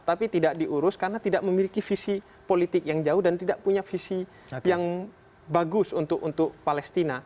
tapi tidak diurus karena tidak memiliki visi politik yang jauh dan tidak punya visi yang bagus untuk palestina